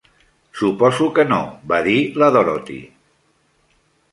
""Suposo que no", va dir la Dorothy."